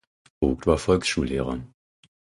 Vogt war Volksschullehrer.